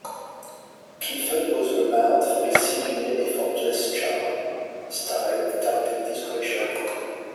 Clifford was renowned for his seemingly effortless charm, style, tact and discretion.